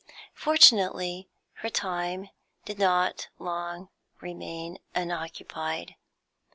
Fortunately, her time did not long remain unoccupied.